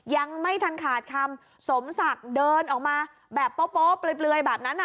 ยังไม่ทันขาดคำสมศักดิ์เดินออกมาแบบโป๊ะเปลือยแบบนั้น